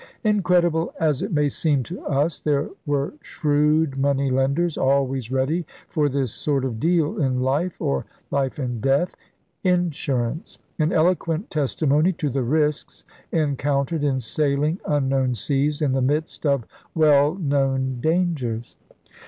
Incredible as it may seem to us, there were shrewd money lenders always ready for this sort of deal in life — or life and death — insurance: an eloquent testimony to the risks encountered in sailing unknown seas in the midst of well known dangers.